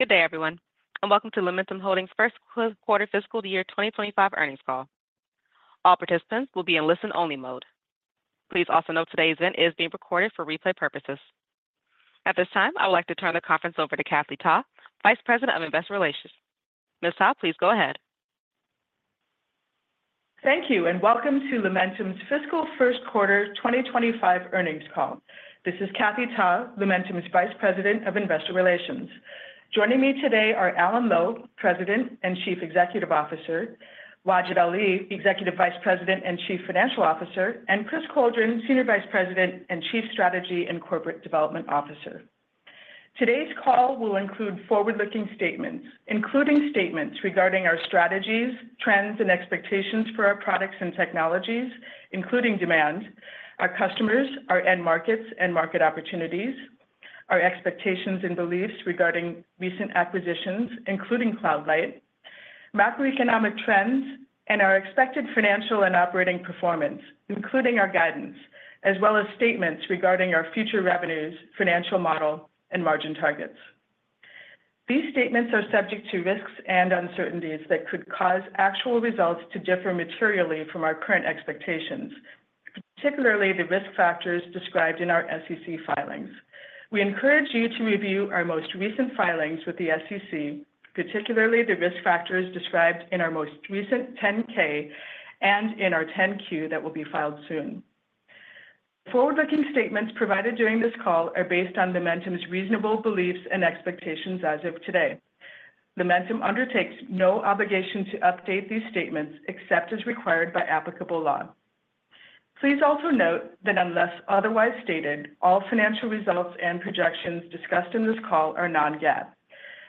Good day, everyone, and welcome to Lumentum Holdings' First Quarter Fiscal Year 2025 Earnings Call. All participants will be in listen-only mode. Please also note today's event is being recorded for replay purposes. At this time, I would like to turn the conference over to Kathy Ta, Vice President of Investor Relations. Ms. Ta, please go ahead. Thank you, and welcome to Lumentum's fiscal first quarter 2025 earnings call. This is Kathy Ta, Lumentum's Vice President of Investor Relations. Joining me today are Alan Lowe, President and Chief Executive Officer, Wajid Ali, Executive Vice President and Chief Financial Officer, and Chris Coldren, Senior Vice President and Chief Strategy and Corporate Development Officer. Today's call will include forward-looking statements, including statements regarding our strategies, trends, and expectations for our products and technologies, including demand, our customers, our end markets and market opportunities, our expectations and beliefs regarding recent acquisitions, including Cloud Light, macroeconomic trends, and our expected financial and operating performance, including our guidance, as well as statements regarding our future revenues, financial model, and margin targets. These statements are subject to risks and uncertainties that could cause actual results to differ materially from our current expectations, particularly the risk factors described in our SEC filings. We encourage you to review our most recent filings with the SEC, particularly the risk factors described in our most recent 10-K and in our 10-Q that will be filed soon. Forward-looking statements provided during this call are based on Lumentum's reasonable beliefs and expectations as of today. Lumentum undertakes no obligation to update these statements except as required by applicable law. Please also note that unless otherwise stated, all financial results and projections discussed in this call are non-GAAP.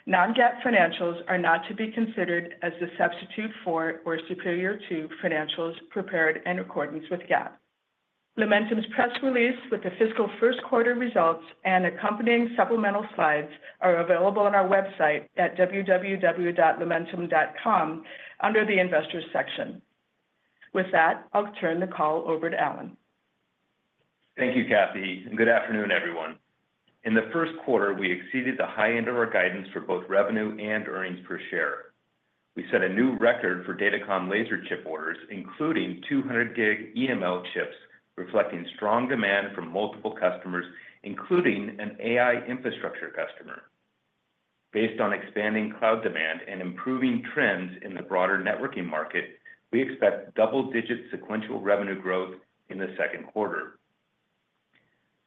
Non-GAAP financials are not to be considered as the substitute for or superior to financials prepared in accordance with GAAP. Lumentum's press release with the fiscal first quarter results and accompanying supplemental slides are available on our website at www.lumentum.com under the Investors section. With that, I'll turn the call over to Alan. Thank you, Kathy, and good afternoon, everyone. In the first quarter, we exceeded the high end of our guidance for both revenue and earnings per share. We set a new record for datacom laser chip orders, including 200 gig EML chips, reflecting strong demand from multiple customers, including an AI infrastructure customer. Based on expanding cloud demand and improving trends in the broader networking market, we expect double-digit sequential revenue growth in the second quarter.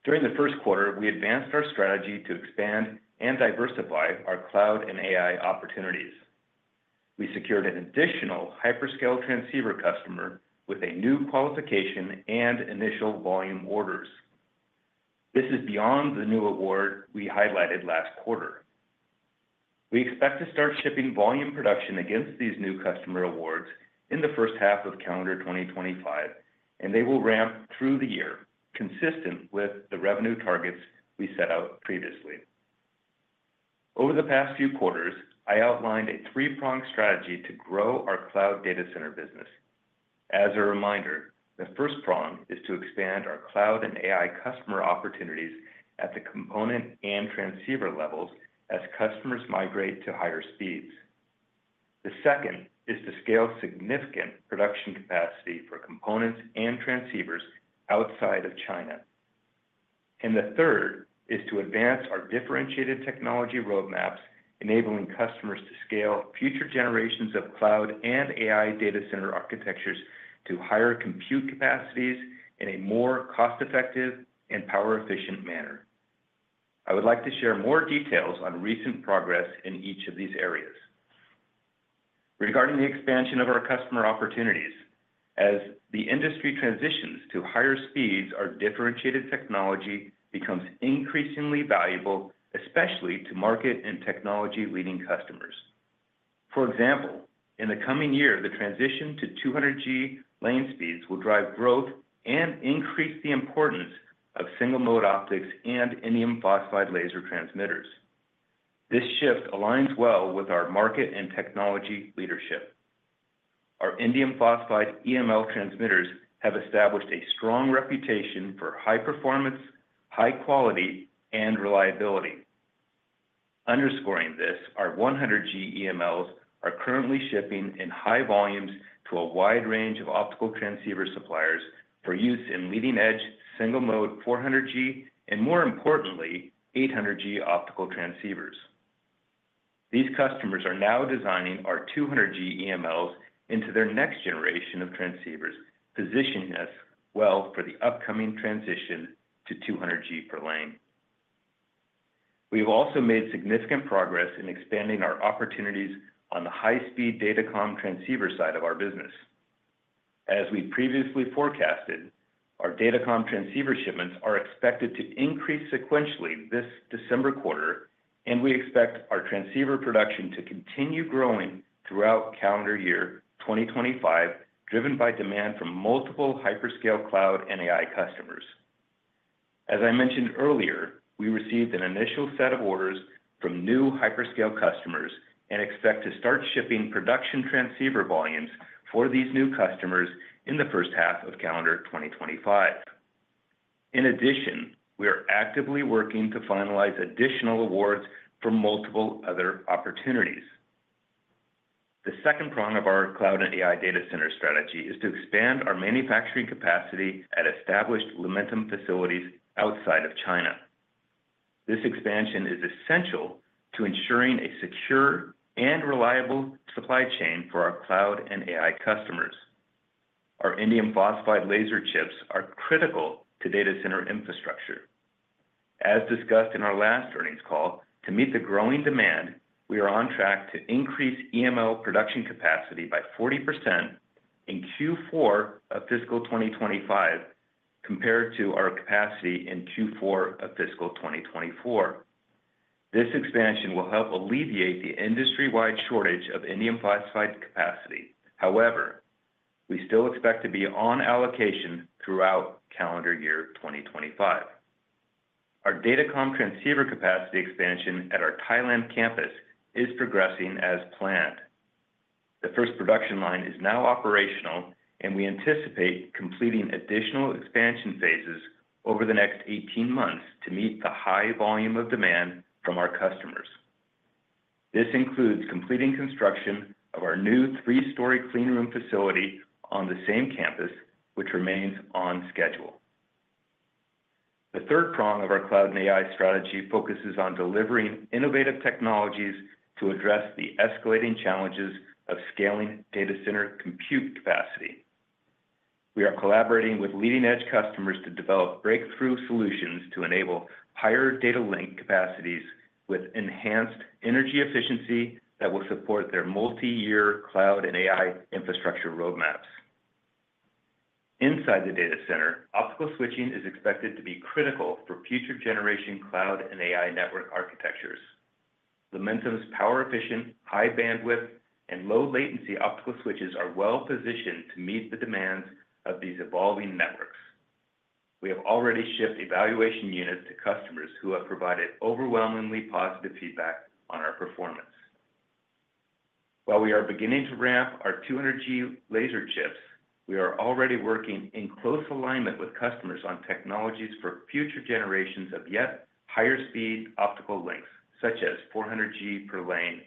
During the first quarter, we advanced our strategy to expand and diversify our cloud and AI opportunities. We secured an additional hyperscale transceiver customer with a new qualification and initial volume orders. This is beyond the new award we highlighted last quarter. We expect to start shipping volume production against these new customer awards in the first half of calendar 2025, and they will ramp through the year, consistent with the revenue targets we set out previously. Over the past few quarters, I outlined a three-pronged strategy to grow our cloud data center business. As a reminder, the first prong is to expand our cloud and AI customer opportunities at the component and transceiver levels as customers migrate to higher speeds. The second is to scale significant production capacity for components and transceivers outside of China. And the third is to advance our differentiated technology roadmaps, enabling customers to scale future generations of cloud and AI data center architectures to higher compute capacities in a more cost-effective and power-efficient manner. I would like to share more details on recent progress in each of these areas. Regarding the expansion of our customer opportunities, as the industry transitions to higher speeds, our differentiated technology becomes increasingly valuable, especially to market and technology-leading customers. For example, in the coming year, the transition to 200G lane speeds will drive growth and increase the importance of single-mode optics and indium phosphide laser transmitters. This shift aligns well with our market and technology leadership. Our indium phosphide EML transmitters have established a strong reputation for high performance, high quality, and reliability. Underscoring this, our 100G EMLs are currently shipping in high volumes to a wide range of optical transceiver suppliers for use in leading-edge single-mode 400G and, more importantly, 800G optical transceivers. These customers are now designing our 200G EMLs into their next generation of transceivers, positioning us well for the upcoming transition to 200G per lane. We have also made significant progress in expanding our opportunities on the high-speed datacom transceiver side of our business. As we previously forecasted, our datacom transceiver shipments are expected to increase sequentially this December quarter, and we expect our transceiver production to continue growing throughout calendar year 2025, driven by demand from multiple hyperscale cloud and AI customers. As I mentioned earlier, we received an initial set of orders from new hyperscale customers and expect to start shipping production transceiver volumes for these new customers in the first half of calendar 2025. In addition, we are actively working to finalize additional awards for multiple other opportunities. The second prong of our cloud and AI data center strategy is to expand our manufacturing capacity at established Lumentum facilities outside of China. This expansion is essential to ensuring a secure and reliable supply chain for our cloud and AI customers. Our indium phosphide laser chips are critical to data center infrastructure. As discussed in our last earnings call, to meet the growing demand, we are on track to increase EML production capacity by 40% in Q4 of fiscal 2025 compared to our capacity in Q4 of fiscal 2024. This expansion will help alleviate the industry-wide shortage of indium phosphide capacity. However, we still expect to be on allocation throughout calendar year 2025. Our datacom transceiver capacity expansion at our Thailand campus is progressing as planned. The first production line is now operational, and we anticipate completing additional expansion phases over the next 18 months to meet the high volume of demand from our customers. This includes completing construction of our new three-story cleanroom facility on the same campus, which remains on schedule. The third prong of our cloud and AI strategy focuses on delivering innovative technologies to address the escalating challenges of scaling data center compute capacity. We are collaborating with leading-edge customers to develop breakthrough solutions to enable higher data link capacities with enhanced energy efficiency that will support their multi-year cloud and AI infrastructure roadmaps. Inside the data center, optical switching is expected to be critical for future generation cloud and AI network architectures. Lumentum's power-efficient, high-bandwidth, and low-latency optical switches are well-positioned to meet the demands of these evolving networks. We have already shipped evaluation units to customers who have provided overwhelmingly positive feedback on our performance. While we are beginning to ramp our 200G laser chips, we are already working in close alignment with customers on technologies for future generations of yet higher speed optical links, such as 400G per lane,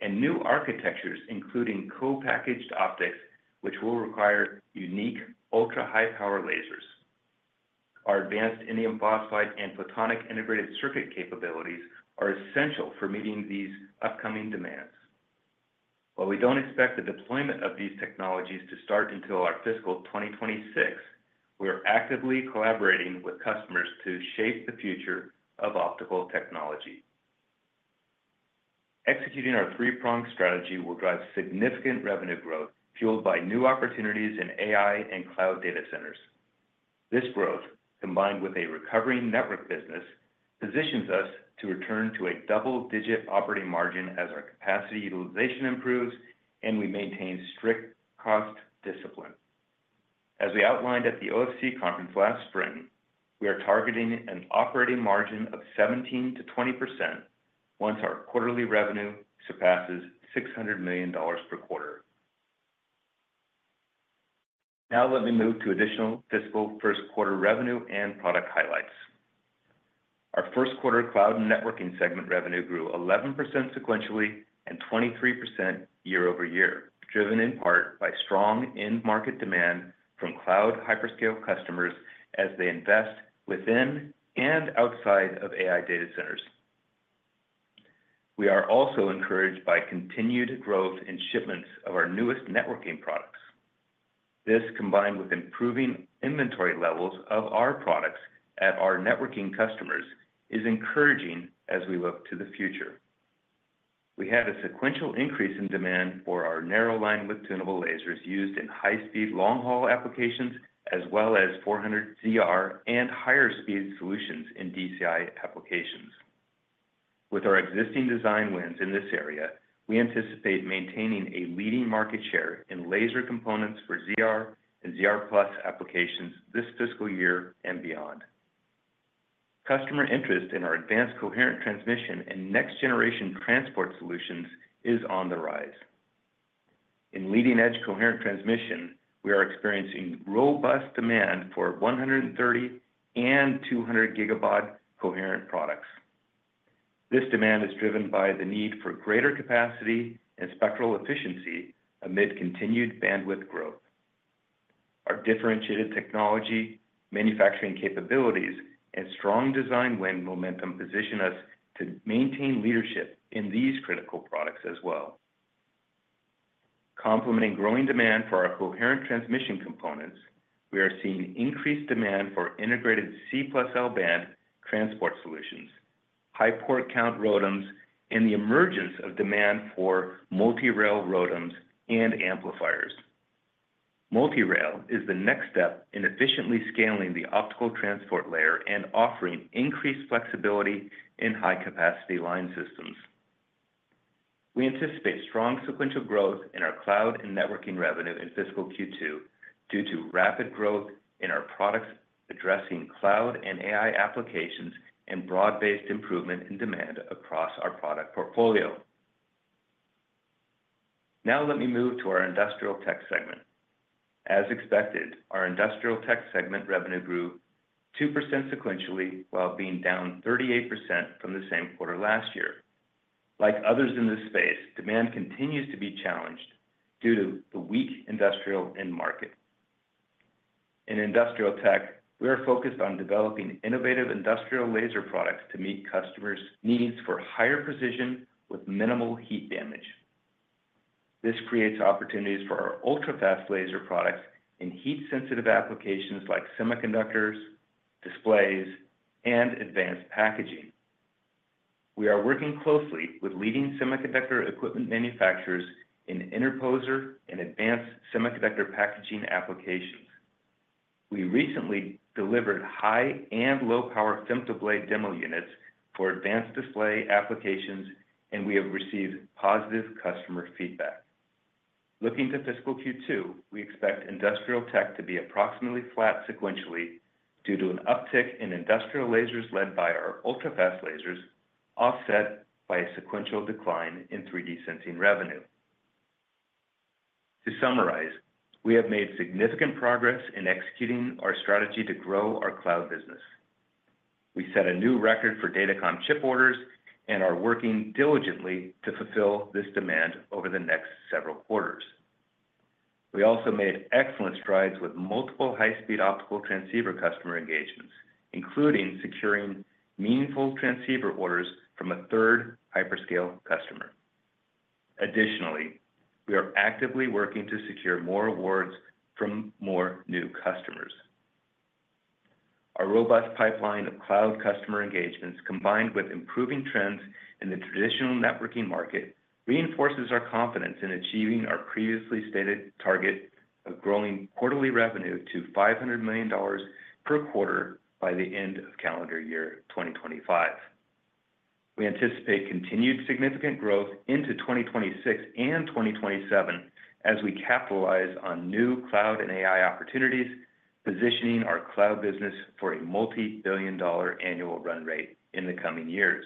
and new architectures, including co-packaged optics, which will require unique ultra-high power lasers. Our advanced indium phosphide and photonic integrated circuit capabilities are essential for meeting these upcoming demands. While we don't expect the deployment of these technologies to start until our fiscal 2026, we are actively collaborating with customers to shape the future of optical technology. Executing our three-pronged strategy will drive significant revenue growth fueled by new opportunities in AI and cloud data centers. This growth, combined with a recovering network business, positions us to return to a double-digit operating margin as our capacity utilization improves and we maintain strict cost discipline. As we outlined at the OFC conference last spring, we are targeting an operating margin of 17%-20% once our quarterly revenue surpasses $600 million per quarter. Now let me move to additional fiscal first quarter revenue and product highlights. Our first quarter cloud networking segment revenue grew 11% sequentially and 23% year over year, driven in part by strong in-market demand from cloud hyperscale customers as they invest within and outside of AI data centers. We are also encouraged by continued growth in shipments of our newest networking products. This, combined with improving inventory levels of our products at our networking customers, is encouraging as we look to the future. We had a sequential increase in demand for our narrow linewidth tunable lasers used in high-speed long-haul applications, as well as 400ZR and higher speed solutions in DCI applications. With our existing design wins in this area, we anticipate maintaining a leading market share in laser components for ZR and ZR+ applications this fiscal year and beyond. Customer interest in our advanced coherent transmission and next-generation transport solutions is on the rise. In leading-edge coherent transmission, we are experiencing robust demand for 130 and 200 gigabaud coherent products. This demand is driven by the need for greater capacity and spectral efficiency amid continued bandwidth growth. Our differentiated technology, manufacturing capabilities, and strong design wins position Lumentum to maintain leadership in these critical products as well. Complementing growing demand for our coherent transmission components, we are seeing increased demand for integrated C+L band transport solutions, high port count ROADMs, and the emergence of demand for multi-rail ROADMs and amplifiers. Multi-rail is the next step in efficiently scaling the optical transport layer and offering increased flexibility in high-capacity line systems. We anticipate strong sequential growth in our cloud and networking revenue in fiscal Q2 due to rapid growth in our products addressing cloud and AI applications and broad-based improvement in demand across our product portfolio. Now let me move to our industrial tech segment. As expected, our industrial tech segment revenue grew 2% sequentially while being down 38% from the same quarter last year. Like others in this space, demand continues to be challenged due to the weak industrial end market. In industrial tech, we are focused on developing innovative industrial laser products to meet customers' needs for higher precision with minimal heat damage. This creates opportunities for our ultrafast laser products in heat-sensitive applications like semiconductors, displays, and advanced packaging. We are working closely with leading semiconductor equipment manufacturers in interposer and advanced semiconductor packaging applications. We recently delivered high and low-power FemtoBlade demo units for advanced display applications, and we have received positive customer feedback. Looking to fiscal Q2, we expect industrial tech to be approximately flat sequentially due to an uptick in industrial lasers led by our ultrafast lasers, offset by a sequential decline in 3D sensing revenue. To summarize, we have made significant progress in executing our strategy to grow our cloud business. We set a new record for datacom chip orders and are working diligently to fulfill this demand over the next several quarters. We also made excellent strides with multiple high-speed optical transceiver customer engagements, including securing meaningful transceiver orders from a third hyperscale customer. Additionally, we are actively working to secure more awards from more new customers. Our robust pipeline of cloud customer engagements, combined with improving trends in the traditional networking market, reinforces our confidence in achieving our previously stated target of growing quarterly revenue to $500 million per quarter by the end of calendar year 2025. We anticipate continued significant growth into 2026 and 2027 as we capitalize on new cloud and AI opportunities, positioning our cloud business for a multi-billion dollar annual run rate in the coming years.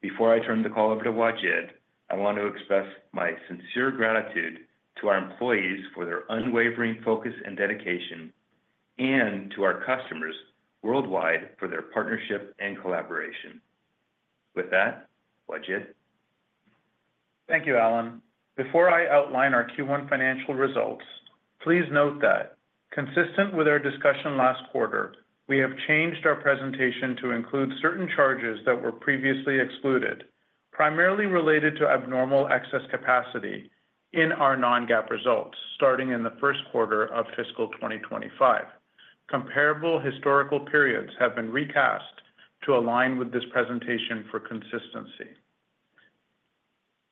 Before I turn the call over to Wajid, I want to express my sincere gratitude to our employees for their unwavering focus and dedication and to our customers worldwide for their partnership and collaboration. With that, Wajid. Thank you, Alan. Before I outline our Q1 financial results, please note that, consistent with our discussion last quarter, we have changed our presentation to include certain charges that were previously excluded, primarily related to abnormal excess capacity in our non-GAAP results starting in the first quarter of fiscal 2025. Comparable historical periods have been recast to align with this presentation for consistency.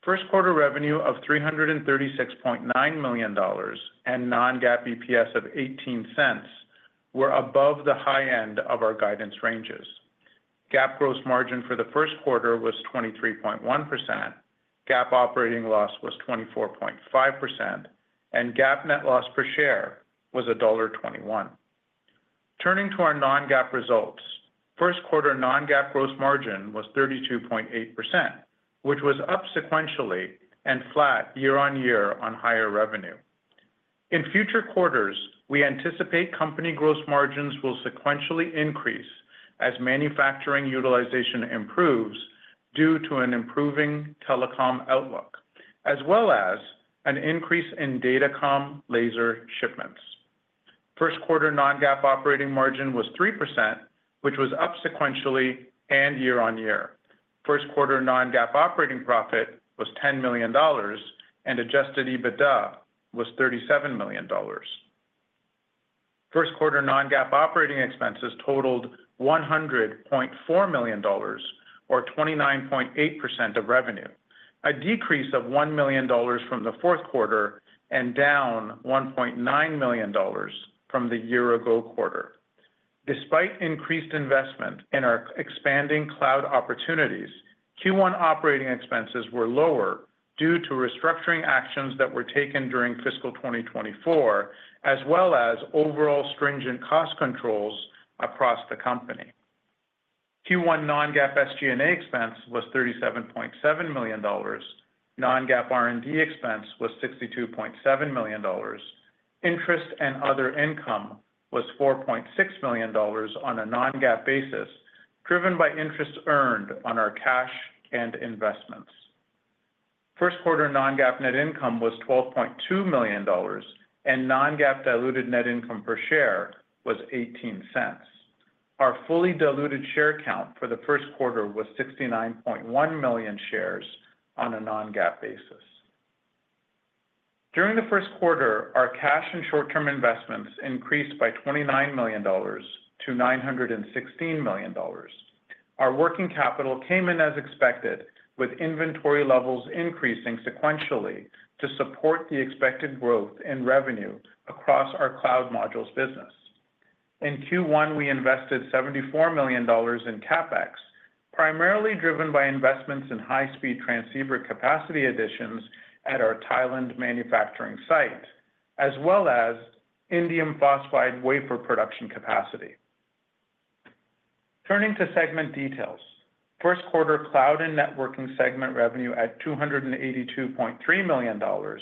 First quarter revenue of $336.9 million and non-GAAP EPS of $0.18 were above the high end of our guidance ranges. GAAP gross margin for the first quarter was 23.1%, GAAP operating loss was 24.5%, and GAAP net loss per share was $1.21. Turning to our non-GAAP results, first quarter non-GAAP gross margin was 32.8%, which was up sequentially and flat year on year on higher revenue. In future quarters, we anticipate company gross margins will sequentially increase as manufacturing utilization improves due to an improving telecom outlook, as well as an increase in datacom laser shipments. First quarter non-GAAP operating margin was 3%, which was up sequentially and year on year. First quarter non-GAAP operating profit was $10 million and adjusted EBITDA was $37 million. First quarter non-GAAP operating expenses totaled $100.4 million or 29.8% of revenue, a decrease of $1 million from the fourth quarter and down $1.9 million from the year-ago quarter. Despite increased investment in our expanding cloud opportunities, Q1 operating expenses were lower due to restructuring actions that were taken during fiscal 2024, as well as overall stringent cost controls across the company. Q1 non-GAAP SG&A expense was $37.7 million, non-GAAP R&D expense was $62.7 million, interest and other income was $4.6 million on a non-GAAP basis, driven by interest earned on our cash and investments. First quarter non-GAAP net income was $12.2 million and non-GAAP diluted net income per share was $0.18. Our fully diluted share count for the first quarter was 69.1 million shares on a non-GAAP basis. During the first quarter, our cash and short-term investments increased by $29 million to $916 million. Our working capital came in as expected, with inventory levels increasing sequentially to support the expected growth in revenue across our cloud modules business. In Q1, we invested $74 million in CapEx, primarily driven by investments in high-speed transceiver capacity additions at our Thailand manufacturing site, as well as indium phosphide wafer production capacity. Turning to segment details, first quarter cloud and networking segment revenue at $282.3 million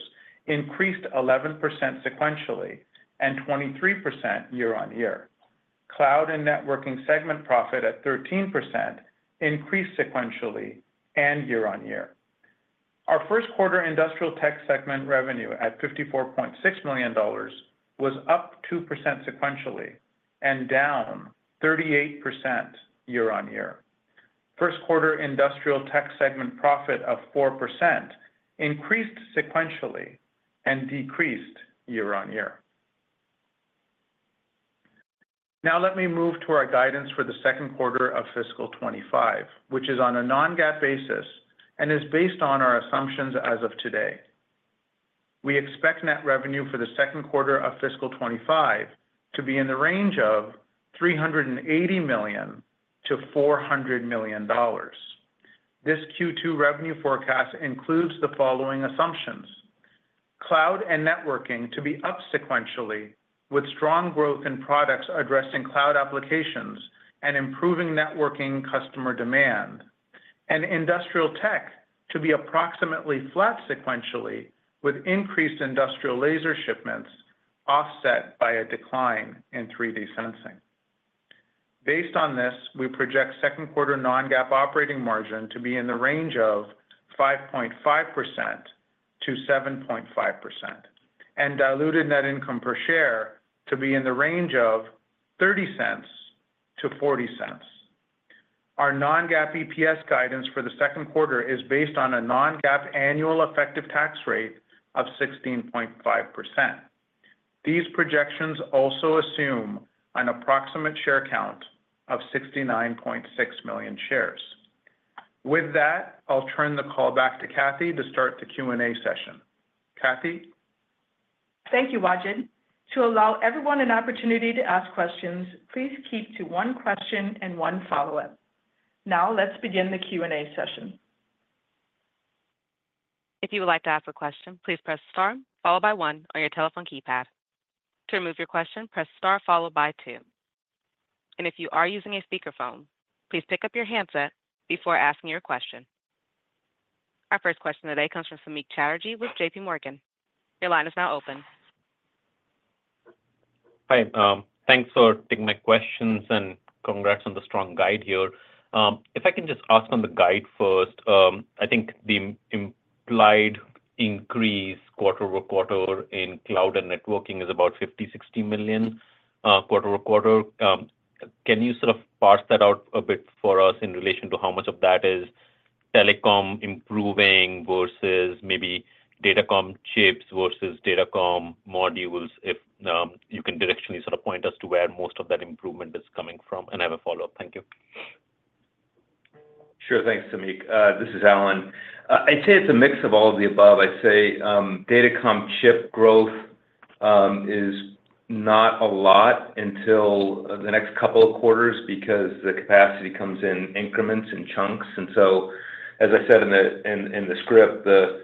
increased 11% sequentially and 23% year on year. Cloud and networking segment profit at 13% increased sequentially and year on year. Our first quarter industrial tech segment revenue at $54.6 million was up 2% sequentially and down 38% year on year. First quarter industrial tech segment profit of 4% increased sequentially and decreased year on year. Now let me move to our guidance for the second quarter of fiscal 25, which is on a non-GAAP basis and is based on our assumptions as of today. We expect net revenue for the second quarter of fiscal 25 to be in the range of $380 million to $400 million. This Q2 revenue forecast includes the following assumptions: cloud and networking to be up sequentially with strong growth in products addressing cloud applications and improving networking customer demand, and industrial tech to be approximately flat sequentially with increased industrial laser shipments offset by a decline in 3D sensing. Based on this, we project second quarter non-GAAP operating margin to be in the range of 5.5% to 7.5% and diluted net income per share to be in the range of $0.30 to $0.40. Our non-GAAP EPS guidance for the second quarter is based on a non-GAAP annual effective tax rate of 16.5%. These projections also assume an approximate share count of 69.6 million shares. With that, I'll turn the call back to Kathy to start the Q&A session. Kathy. Thank you, Wajid. To allow everyone an opportunity to ask questions, please keep to one question and one follow-up. Now let's begin the Q&A session. If you would like to ask a question, please press star followed by one on your telephone keypad. To remove your question, press star followed by two. And if you are using a speakerphone, please pick up your handset before asking your question. Our first question today comes from Samik Chatterjee with J.P. Morgan. Your line is now open. Hi. Thanks for taking my questions and congrats on the strong guide here. If I can just ask on the guide first, I think the implied increase quarter over quarter in cloud and networking is about $50 million-$60 million quarter over quarter. Can you sort of parse that out a bit for us in relation to how much of that is telecom improving versus maybe datacom chips versus datacom modules if you can directionally sort of point us to where most of that improvement is coming from and have a follow-up? Thank you. Sure. Thanks, Samik. This is Alan. I'd say it's a mix of all of the above. I'd say datacom chip growth is not a lot until the next couple of quarters because the capacity comes in increments and chunks. And so, as I said in the script, the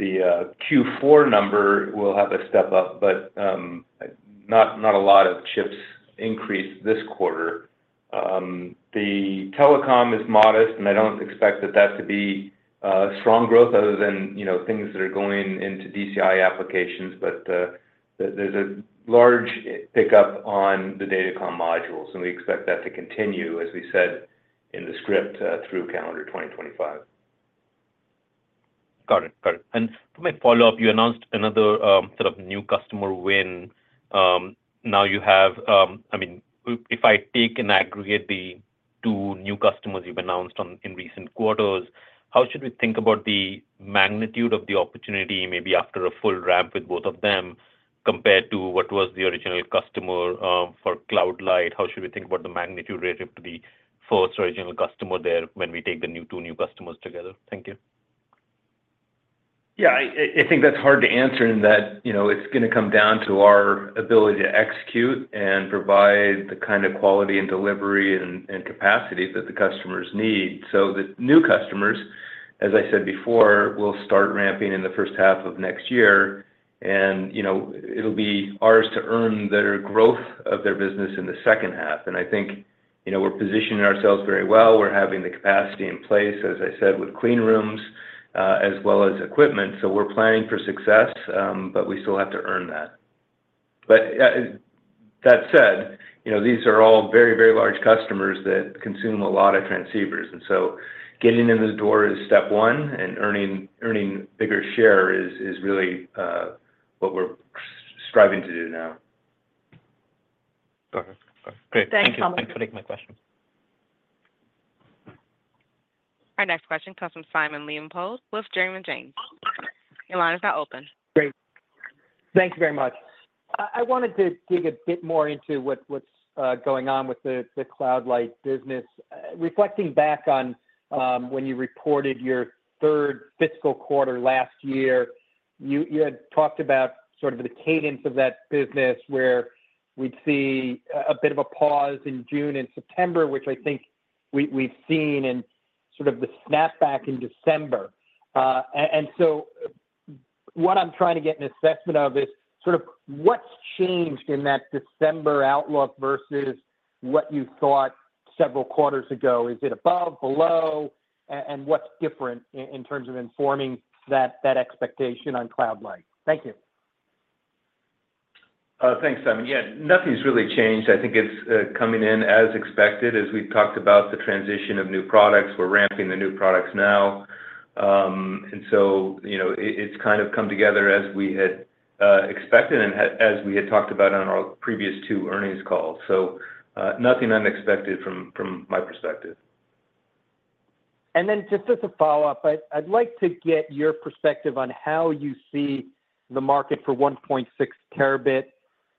Q4 number will have a step up, but not a lot of chips increase this quarter. The telecom is modest, and I don't expect that that to be strong growth other than things that are going into DCI applications, but there's a large pickup on the datacom modules, and we expect that to continue, as we said in the script, through calendar 2025. Got it. Got it. And for my follow-up, you announced another sort of new customer when now you have - I mean, if I take and aggregate the two new customers you've announced in recent quarters, how should we think about the magnitude of the opportunity maybe after a full ramp with both of them compared to what was the original customer for Cloud Light? How should we think about the magnitude relative to the first original customer there when we take the two new customers together? Thank you. Yeah. I think that's hard to answer in that it's going to come down to our ability to execute and provide the kind of quality and delivery and capacity that the customers need. So the new customers, as I said before, will start ramping in the first half of next year, and it'll be ours to earn their growth of their business in the second half. And I think we're positioning ourselves very well. We're having the capacity in place, as I said, with clean rooms as well as equipment. So we're planning for success, but we still have to earn that. But that said, these are all very, very large customers that consume a lot of transceivers. And so getting in the door is step one, and earning a bigger share is really what we're striving to do now. Got it. Got it. Great. Thank you for taking my question. Our next question comes from Simon Leopold with Raymond James. Your line is now open. Great. Thanks very much. I wanted to dig a bit more into what's going on with the Cloud Light business. Reflecting back on when you reported your third fiscal quarter last year, you had talked about sort of the cadence of that business where we'd see a bit of a pause in June and September, which I think we've seen in sort of the snapback in December. And so what I'm trying to get an assessment of is sort of what's changed in that December outlook versus what you thought several quarters ago. Is it above, below, and what's different in terms of informing that expectation on Cloud Light? Thank you. Thanks, Simon. Yeah. Nothing's really changed. I think it's coming in as expected, as we've talked about the transition of new products. We're ramping the new products now, and so it's kind of come together as we had expected and as we had talked about on our previous two earnings calls, so nothing unexpected from my perspective. And then just as a follow-up, I'd like to get your perspective on how you see the market for 1.6 terabit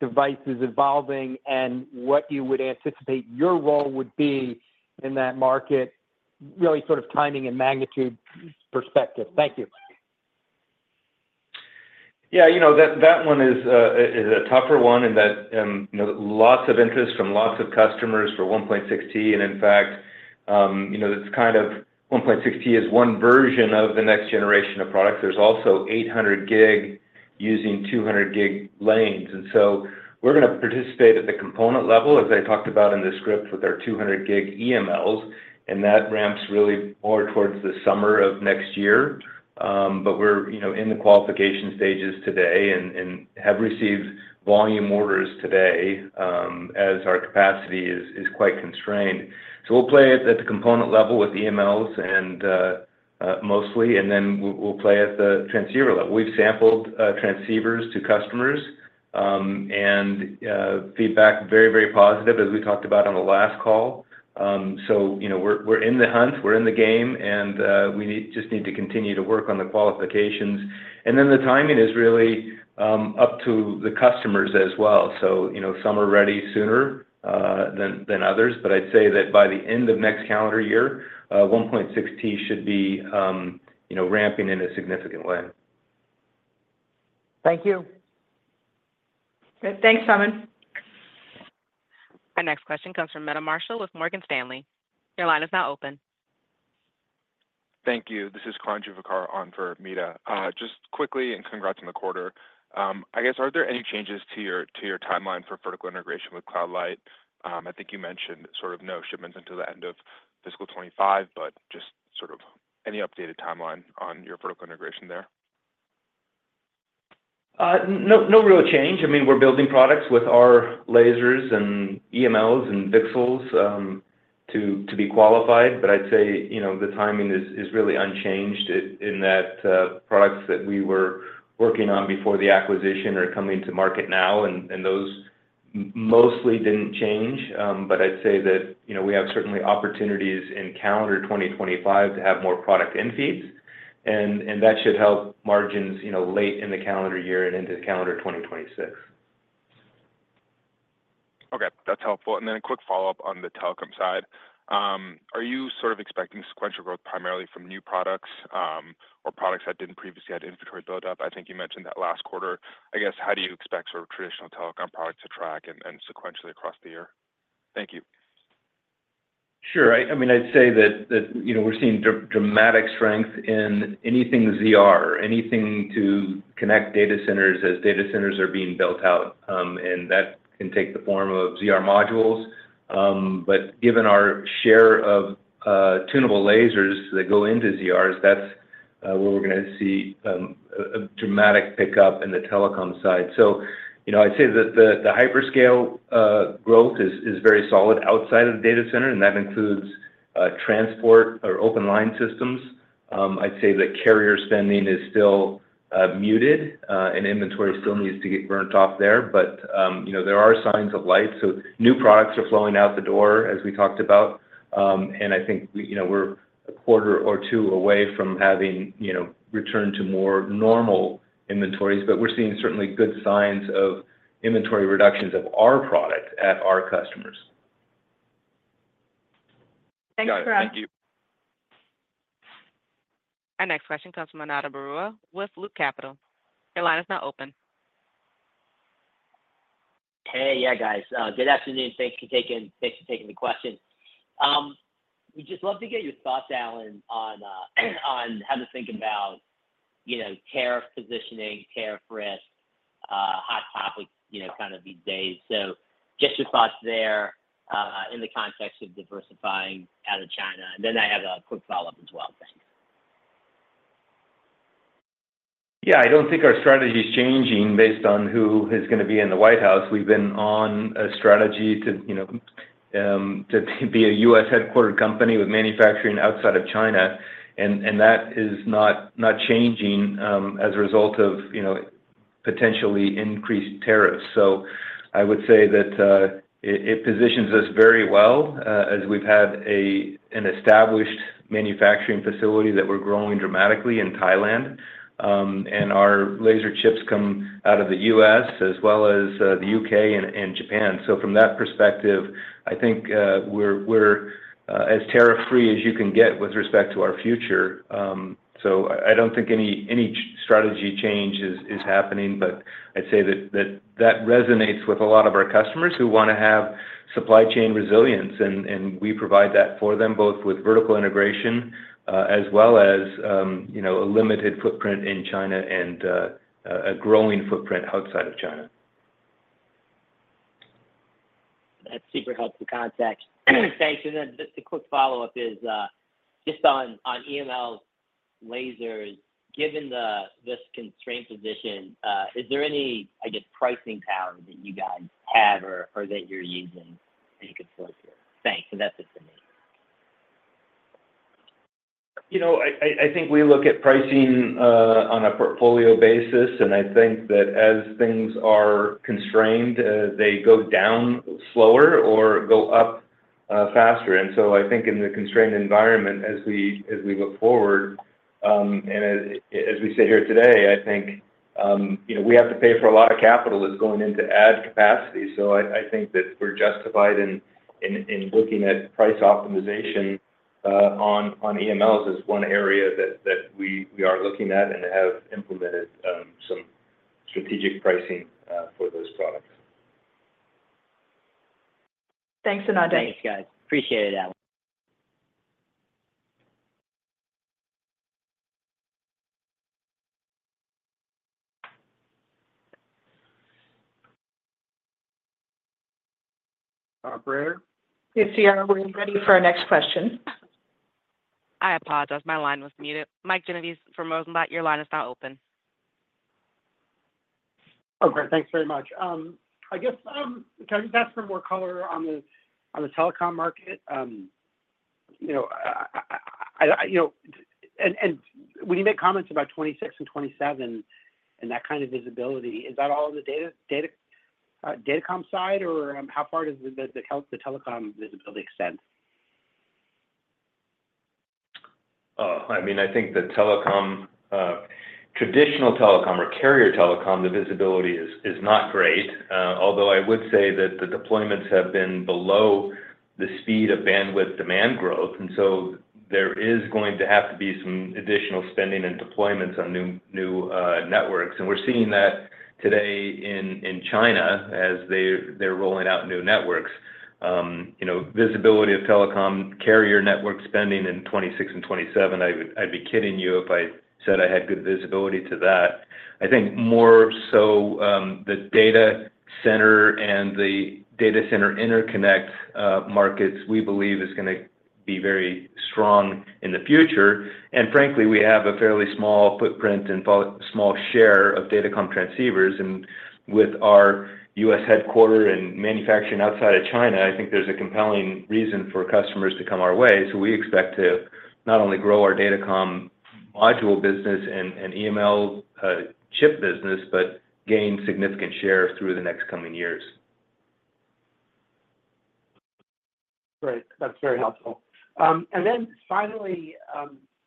devices evolving and what you would anticipate your role would be in that market, really sort of timing and magnitude perspective. Thank you. Yeah, that one is a tougher one in that lots of interest from lots of customers for 1.6T, and in fact, it's kind of 1.6T is one version of the next generation of products. There's also 800 gig using 200 gig lanes. And so we're going to participate at the component level, as I talked about in the script, with our 200 gig EMLs, and that ramps really more towards the summer of next year. But we're in the qualification stages today and have received volume orders today as our capacity is quite constrained. So we'll play at the component level with EMLs mostly, and then we'll play at the transceiver level. We've sampled transceivers to customers and feedback very, very positive, as we talked about on the last call. So we're in the hunt. We're in the game, and we just need to continue to work on the qualifications. And then the timing is really up to the customers as well. So some are ready sooner than others, but I'd say that by the end of next calendar year, 1.6T should be ramping in a significant way. Thank you. Great. Thanks, Simon. Our next question comes from Meta Marshall with Morgan Stanley. Your line is now open. Thank you. This is Chandra Shekhar on for Meta. Just quickly and congrats on the quarter. I guess, are there any changes to your timeline for vertical integration with Cloud Light? I think you mentioned sort of no shipments until the end of fiscal 2025, but just sort of any updated timeline on your vertical integration there? No real change. I mean, we're building products with our lasers and EMLs and VCSELs to be qualified, but I'd say the timing is really unchanged in that products that we were working on before the acquisition are coming to market now, and those mostly didn't change. I'd say that we have certainly opportunities in calendar 2025 to have more product in the field, and that should help margins late in the calendar year and into calendar 2026. Okay. That's helpful. Then a quick follow-up on the telecom side. Are you sort of expecting sequential growth primarily from new products or products that didn't previously have inventory buildup? I think you mentioned that last quarter. I guess, how do you expect sort of traditional telecom products to track sequentially across the year? Thank you. Sure. I mean, I'd say that we're seeing dramatic strength in anything ZR, anything to connect data centers as data centers are being built out, and that can take the form of ZR modules. But given our share of tunable lasers that go into ZRs, that's where we're going to see a dramatic pickup in the telecom side. So I'd say that the hyperscale growth is very solid outside of the data center, and that includes transport or open line systems. I'd say that carrier spending is still muted, and inventory still needs to get burnt off there, but there are signs of light. So new products are flowing out the door, as we talked about, and I think we're a quarter or two away from having returned to more normal inventories, but we're seeing certainly good signs of inventory reductions of our product at our customers. Thanks for asking. Thank you. Our next question comes from Ananda Baruah with Loop Capital. Your line is now open. Hey. Yeah, guys. Good afternoon. Thanks for taking the question. We'd just love to get your thoughts, Alan, on how to think about tariff positioning, tariff risk, hot topics kind of these days. So just your thoughts there in the context of diversifying out of China, and then I have a quick follow-up as well. Thanks. Yeah. I don't think our strategy is changing based on who is going to be in the White House. We've been on a strategy to be a U.S.-headquartered company with manufacturing outside of China, and that is not changing as a result of potentially increased tariffs, so I would say that it positions us very well as we've had an established manufacturing facility that we're growing dramatically in Thailand, and our laser chips come out of the U.S. as well as the U.K. and Japan, so from that perspective, I think we're as tariff-free as you can get with respect to our future. So I don't think any strategy change is happening, but I'd say that that resonates with a lot of our customers who want to have supply chain resilience, and we provide that for them both with vertical integration as well as a limited footprint in China and a growing footprint outside of China. That's super helpful context. Thanks. And then the quick follow-up is just on EML lasers, given this constrained position, is there any, I guess, pricing power that you guys have or that you're using that you could source here? Thanks. And that's it for me. I think we look at pricing on a portfolio basis, and I think that as things are constrained, they go down slower or go up faster. And so I think in the constrained environment, as we look forward and as we sit here today, I think we have to pay for a lot of capital that's going into add capacity. So I think that we're justified in looking at price optimization on EMLs as one area that we are looking at and have implemented some strategic pricing for those products. Thanks, Ananda. Thanks, guys. Appreciate it, Alan. Operator. Yes, Sir. We're ready for our next question. I apologize. My line was muted. Mike Genovese from Rosenblatt. Your line is now open. Oh, great. Thanks very much. I guess can I just ask for more color on the telecom market? And when you make comments about 2026 and 2027 and that kind of visibility, is that all on the datacom side, or how far does the telecom visibility extend? I mean, I think the traditional telecom or carrier telecom, the visibility is not great, although I would say that the deployments have been below the speed of bandwidth demand growth, and so there is going to have to be some additional spending and deployments on new networks, and we're seeing that today in China as they're rolling out new networks. Visibility of telecom carrier network spending in 2026 and 2027, I'd be kidding you if I said I had good visibility to that. I think more so the data center and the data center interconnect markets, we believe, is going to be very strong in the future, and frankly, we have a fairly small footprint and small share of datacom transceivers, and with our U.S. headquarters and manufacturing outside of China, I think there's a compelling reason for customers to come our way. So we expect to not only grow our datacom module business and EML chip business, but gain significant share through the next coming years. Great. That's very helpful. And then finally,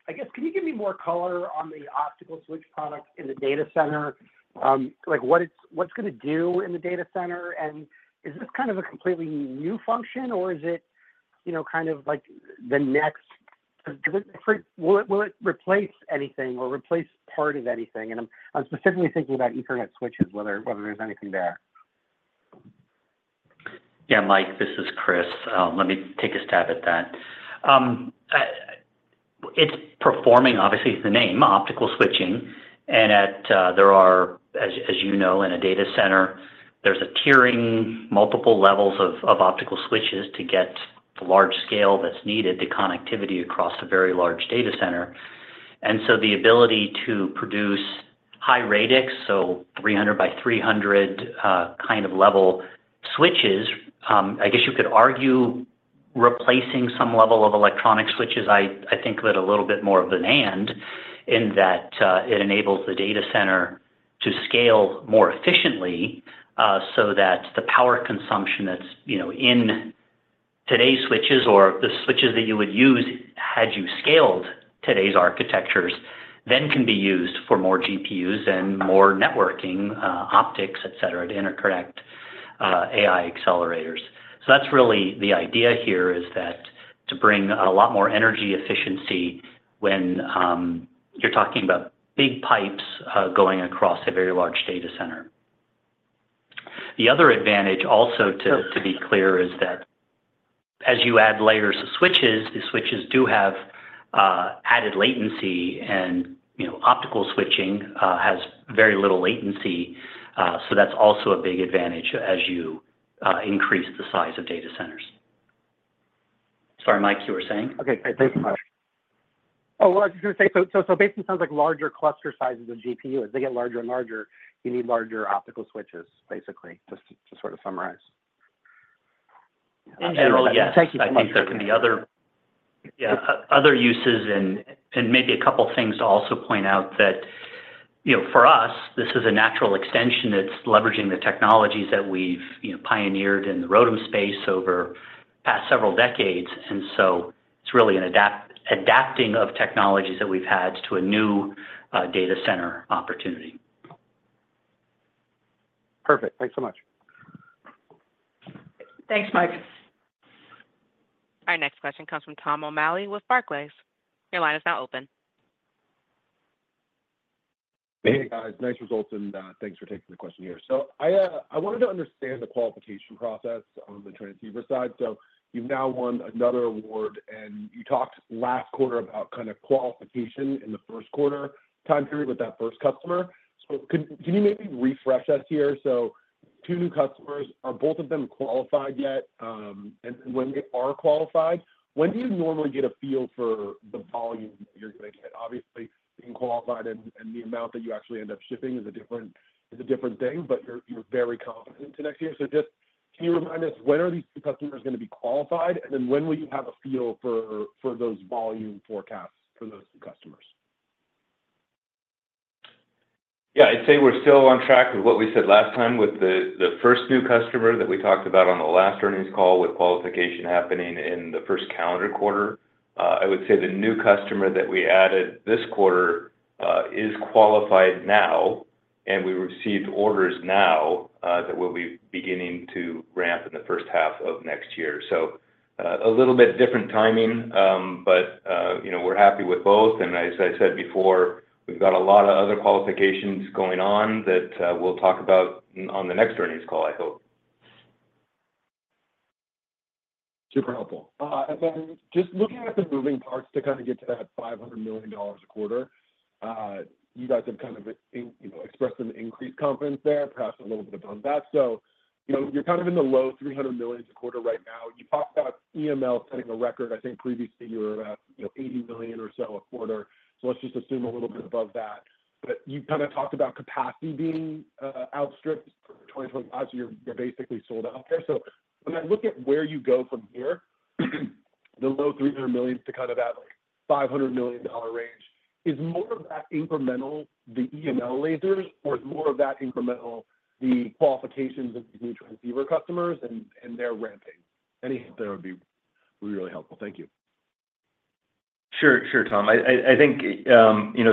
I guess, can you give me more color on the optical switch product in the data center? What's it going to do in the data center? And is this kind of a completely new function, or is it kind of like the next? Will it replace anything or replace part of anything? And I'm specifically thinking about Ethernet switches, whether there's anything there. Yeah. Mike, this is Chris. Let me take a stab at that. It's performing, obviously, the name, optical switching. And as you know, in a data center, there's a tiering, multiple levels of optical switches to get the large scale that's needed to connectivity across a very large data center. And so the ability to produce high radix, so 300 by 300 kind of level switches. I guess you could argue replacing some level of electronic switches. I think of it a little bit more of an and in that it enables the data center to scale more efficiently so that the power consumption that's in today's switches or the switches that you would use had you scaled today's architectures then can be used for more GPUs and more networking, optics, etc., to interconnect AI accelerators. So that's really the idea here is that to bring a lot more energy efficiency when you're talking about big pipes going across a very large data center. The other advantage also to be clear is that as you add layers of switches, the switches do have added latency, and optical switching has very little latency. So that's also a big advantage as you increase the size of data centers. Sorry, Mike, you were saying? Okay. Thanks, Mike. Oh, well, I was just going to say, so basically it sounds like larger cluster sizes of GPU, as they get larger and larger, you need larger optical switches, basically, just to sort of summarize. In general, yes. Thank you so much. I think there can be other uses and maybe a couple of things to also point out that for us, this is a natural extension that's leveraging the technologies that we've pioneered in the ROADM space over the past several decades. And so it's really an adapting of technologies that we've had to a new data center opportunity. Perfect. Thanks so much. Thanks, Mike. Our next question comes from Tom O'Malley with Barclays. Your line is now open. Hey, guys. Nice results, and thanks for taking the question here, so I wanted to understand the qualification process on the transceiver side, so you've now won another award, and you talked last quarter about kind of qualification in the first quarter time period with that first customer, so can you maybe refresh us here, so two new customers, are both of them qualified yet, and when they are qualified, when do you normally get a feel for the volume that you're going to get? Obviously, being qualified and the amount that you actually end up shipping is a different thing, but you're very confident to next year, so just can you remind us when are these two customers going to be qualified, and then when will you have a feel for those volume forecasts for those two customers? Yeah. I'd say we're still on track with what we said last time with the first new customer that we talked about on the last earnings call with qualification happening in the first calendar quarter. I would say the new customer that we added this quarter is qualified now, and we received orders now that we'll be beginning to ramp in the first half of next year. So a little bit different timing, but we're happy with both. And as I said before, we've got a lot of other qualifications going on that we'll talk about on the next earnings call, I hope. Super helpful. And then just looking at the moving parts to kind of get to that $500 million a quarter, you guys have kind of expressed an increased confidence there, perhaps a little bit above that. So you're kind of in the low $300 million a quarter right now. You talked about EML setting a record. I think previously you were about $80 million or so a quarter. So let's just assume a little bit above that. But you kind of talked about capacity being outstripped for 2025, so you're basically sold out there. So when I look at where you go from here, the low $300 million to kind of that $500 million range, is more of that incremental the EML lasers, or is more of that incremental the qualifications of these new transceiver customers and their ramping? Any hint there would be really helpful. Thank you. Sure. Sure, Tom. I think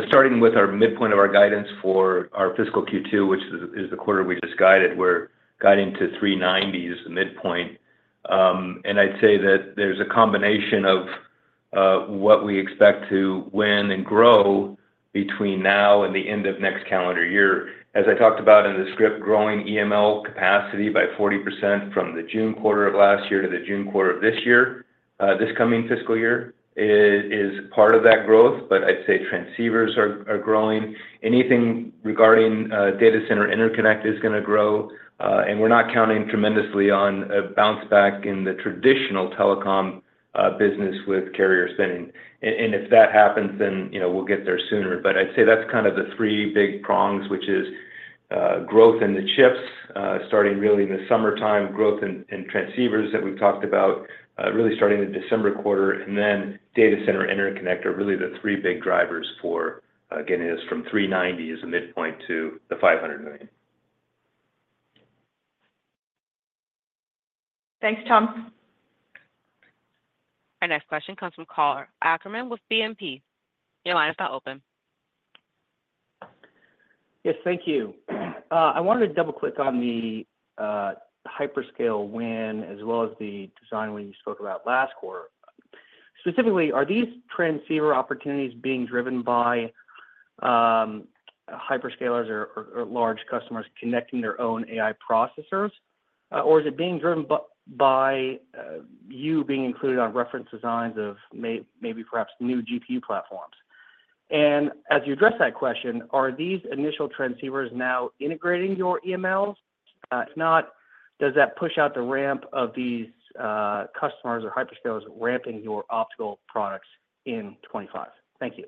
starting with our midpoint of our guidance for our fiscal Q2, which is the quarter we just guided, we're guiding to $390 million as the midpoint. And I'd say that there's a combination of what we expect to win and grow between now and the end of next calendar year. As I talked about in the script, growing EML capacity by 40% from the June quarter of last year to the June quarter of this year, this coming fiscal year is part of that growth, but I'd say transceivers are growing. Anything regarding data center interconnect is going to grow, and we're not counting tremendously on a bounce back in the traditional telecom business with carrier spending. And if that happens, then we'll get there sooner. But I'd say that's kind of the three big prongs, which is growth in the chips starting really in the summertime, growth in transceivers that we've talked about really starting in the December quarter, and then data center interconnect are really the three big drivers for getting us from $390 million as the midpoint to the $500 million. Thanks, Tom. Our next question comes from Karl Ackerman with BNP Paribas Exane. Your line is now open. Yes, thank you. I wanted to double-click on the hyperscale win as well as the design win you spoke about last quarter. Specifically, are these transceiver opportunities being driven by hyperscalers or large customers connecting their own AI processors, or is it being driven by you being included on reference designs of maybe perhaps new GPU platforms? And as you address that question, are these initial transceivers now integrating your EMLs? If not, does that push out the ramp of these customers or hyperscalers ramping your optical products in 2025? Thank you.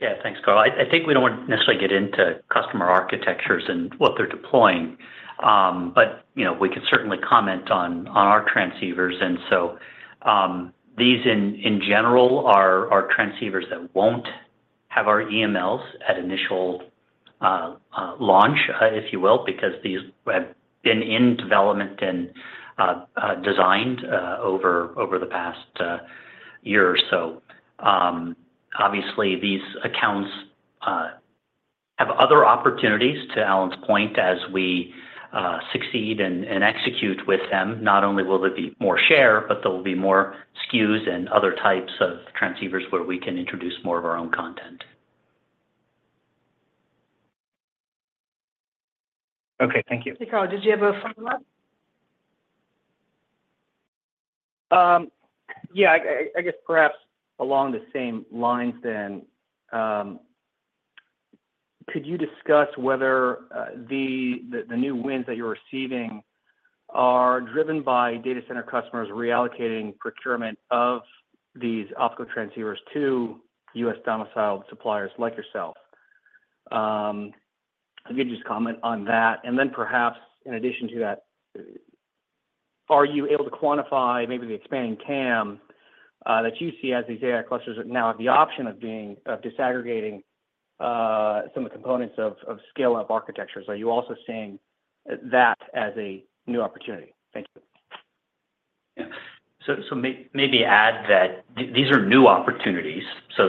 Yeah. Thanks, alot. I think we don't necessarily get into customer architectures and what they're deploying, but we can certainly comment on our transceivers. And so these, in general, are transceivers that won't have our EMLs at initial launch, if you will, because these have been in development and designed over the past year or so. Obviously, these accounts have other opportunities, to Alan's point, as we succeed and execute with them. Not only will there be more share, but there will be more SKUs and other types of transceivers where we can introduce more of our own content. Okay. Thank you. Hey, Karl. Did you have a follow-up? Yeah. I guess perhaps along the same lines then, could you discuss whether the new wins that you're receiving are driven by data center customers reallocating procurement of these optical transceivers to U.S. domiciled suppliers like yourself? If you could just comment on that. And then perhaps in addition to that, are you able to quantify maybe the expanding TAM that you see as these AI clusters now have the option of disaggregating some of the components of scale-up architectures? Are you also seeing that as a new opportunity? Thank you. Yeah. So maybe add that these are new opportunities, so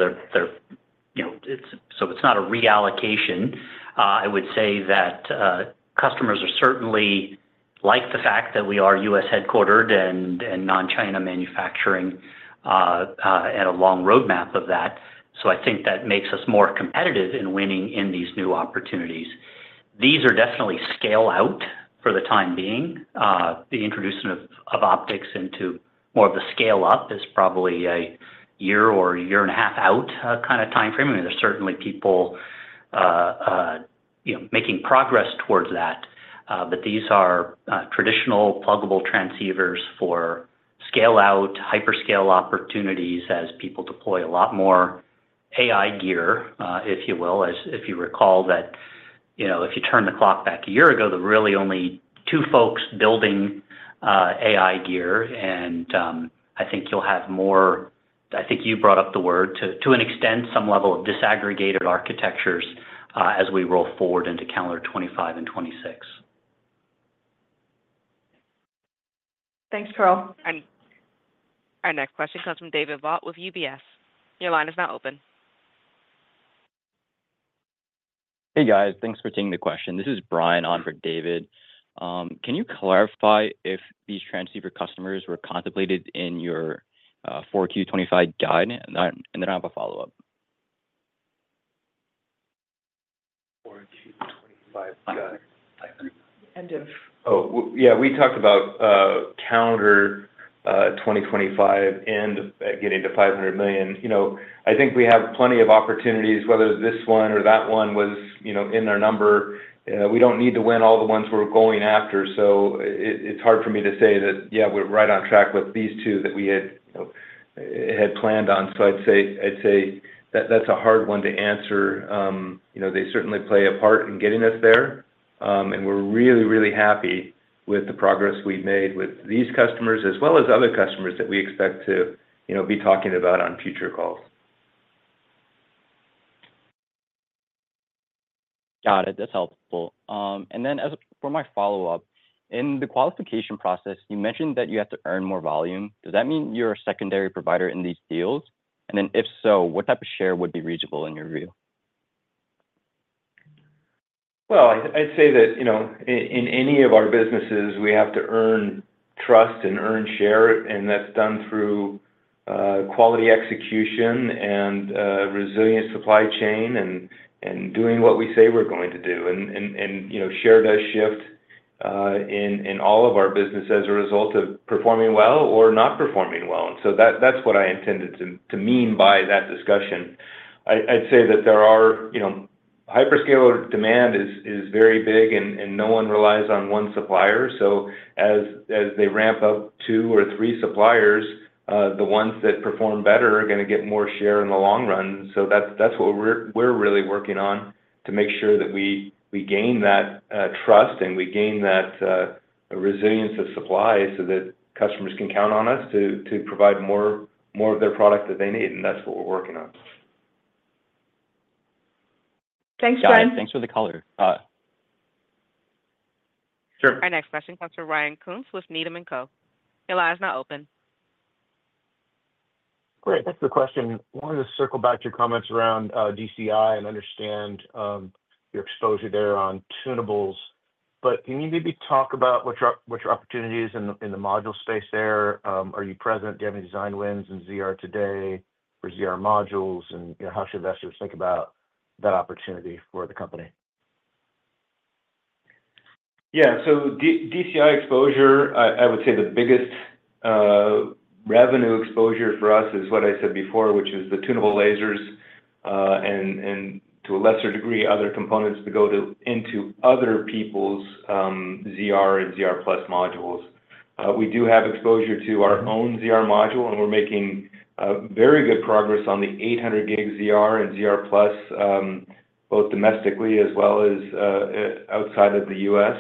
it's not a reallocation. I would say that customers are certainly like the fact that we are U.S. headquartered and non-China manufacturing and a long roadmap of that. So I think that makes us more competitive in winning in these new opportunities. These are definitely scale-out for the time being. The introduction of optics into more of the scale-up is probably a year or a year and a half out kind of time frame. I mean, there's certainly people making progress towards that, but these are traditional pluggable transceivers for scale-out hyperscale opportunities as people deploy a lot more AI gear, if you will. If you recall that, if you turn the clock back a year ago, there were really only two folks building AI gear, and I think you'll have more. I think you brought up the word to an extent, some level of disaggregated architectures as we roll forward into calendar 2025 and 2026. Thanks Karl. And our next question comes from David Vogt with UBS. Your line is now open. Hey, guys. Thanks for taking the question. This is Brian on for David. Can you clarify if these transceiver customers were contemplated in your 4Q25 guide? And then I have a follow-up. 4Q25 guide. Oh, yeah. We talked about calendar 2025 and getting to $500 million. I think we have plenty of opportunities, whether this one or that one was in our number. We don't need to win all the ones we're going after. So it's hard for me to say that, yeah, we're right on track with these two that we had planned on. So I'd say that's a hard one to answer. They certainly play a part in getting us there, and we're really, really happy with the progress we've made with these customers as well as other customers that we expect to be talking about on future calls. Got it. That's helpful. And then for my follow-up, in the qualification process, you mentioned that you have to earn more volume. Does that mean you're a secondary provider in these deals? And then if so, what type of share would be reasonable in your view? Well, I'd say that in any of our businesses, we have to earn trust and earn share, and that's done through quality execution and resilient supply chain and doing what we say we're going to do. And share does shift in all of our businesses as a result of performing well or not performing well. And so that's what I intended to mean by that discussion. I'd say that hyperscaler demand is very big, and no one relies on one supplier. So as they ramp up two or three suppliers, the ones that perform better are going to get more share in the long run. So that's what we're really working on to make sure that we gain that trust and we gain that resilience of supply so that customers can count on us to provide more of their product that they need. And that's what we're working on. Thanks, Brian. Yeah. Thanks fore the color. Sure. Our next question comes from Ryan Koontz with Needham & Company. Your line is now open. Great. Thanks for the question. I wanted to circle back to your comments around DCI and understand your exposure there on tunables. But can you maybe talk about what your opportunities in the module space there? Are you present? Do you have any design wins in ZR today for ZR modules? And how should investors think about that opportunity for the company? Yeah. So DCI exposure, I would say the biggest revenue exposure for us is what I said before, which is the tunable lasers and, to a lesser degree, other components to go into other people's ZR and ZR Plus modules. We do have exposure to our own ZR module, and we're making very good progress on the 800 gig ZR and ZR Plus, both domestically as well as outside of the U.S.